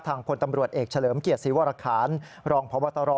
พลตำรวจเอกเฉลิมเกียรติศรีวรคารรองพบตร